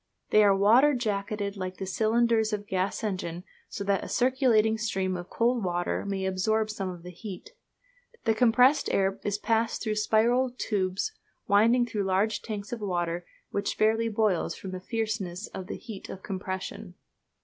They are water jacketed like the cylinders of a gas engine, so that a circulating stream of cold water may absorb some of the heat. The compressed air is passed through spiral tubes winding through large tanks of water which fairly boils from the fierceness of the heat of compression.